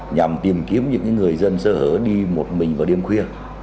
nhằm tìm kiếm những người dân sơ hở đi một mình vào đêm khuya